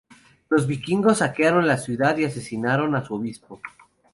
Los vikingos saquearon la ciudad y asesinaron a su obispo.